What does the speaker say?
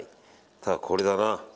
ただ、これだな。